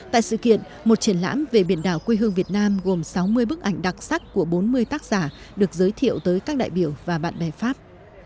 tại sự kiện một triển lãm về biển đảo quê hương việt nam gồm sáu mươi bức ảnh đặc sắc của bốn mươi tác giả được giới thiệu tới các đại biểu và bạn bè pháp